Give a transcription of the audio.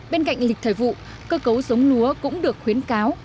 bên cạnh lịch thời vụ cơ cấu giống lúa cũng được khuyến cáo